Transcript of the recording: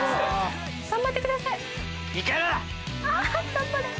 頑張れ。